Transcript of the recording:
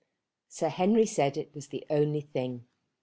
SIR HENRY SAID IT WAS THE ONLY THING.